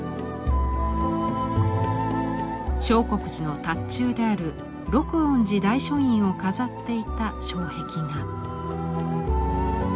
相国寺の塔頭である鹿苑寺大書院を飾っていた障壁画。